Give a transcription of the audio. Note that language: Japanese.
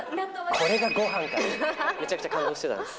これがごはんかって、めちゃくちゃ感動してたんです。